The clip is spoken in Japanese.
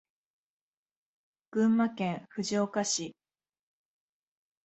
群馬県藤岡市